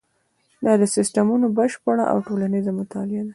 دا د سیسټمونو بشپړه او ټولیزه مطالعه ده.